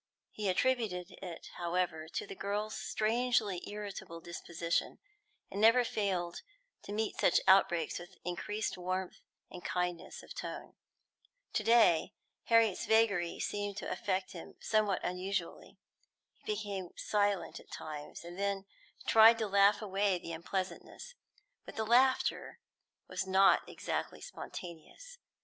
He attributed it, however, to the girl's strangely irritable disposition, and never failed to meet such outbreaks with increased warmth and kindness of tone. To day, Harriet's vagaries seemed to affect him somewhat unusually. He became silent at times, and then tried to laugh away the unpleasantness, but the laughter was not exactly spontaneous.